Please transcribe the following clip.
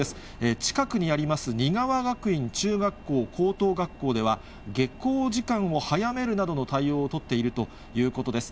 近くにあります、仁川学院中学校高等学校では、下校時間を早めるなどの対応を取っているということです。